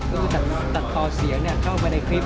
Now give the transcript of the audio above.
ก็ตัดต่อเสียงเข้าไปในคลิป